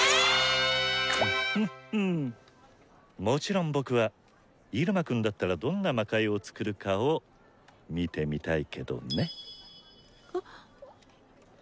もちろん僕は「入間くんだったらどんな魔界を作るか」を見てみたいけどね。